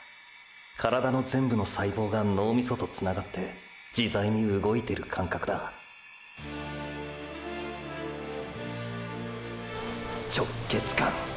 体の全部の細胞が脳ミソとつながって自在に動いてる感覚だ“直結感”！！